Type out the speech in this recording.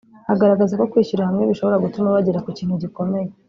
agaragaza ko kwishyira hamwe bishobora gutuma bagera ku kintu gikomeye